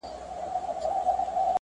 اې عائشې ته پوهيږې.